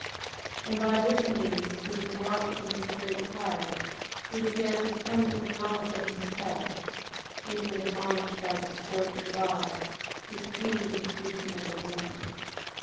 9:11. And by this means, being brought from his great pride, he began to come to the knowledge of himself, being admonished by the scourge of God, his pains increasing every moment.